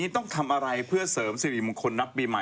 ต้องทำอะไรเพื่อเสริมสิริมงคลนับปีใหม่